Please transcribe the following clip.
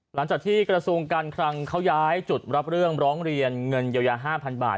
หลังจากที่กระทรวงการคลังเขาย้ายจุดรับเรื่องร้องเรียนเงินเยียวยา๕๐๐บาท